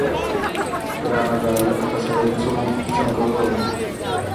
ګرانه دا الک ته سړی څنګه ووايي.